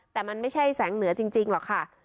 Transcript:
แต่มันไม่ใช่แสงเหนือจริงหรอกค่ะ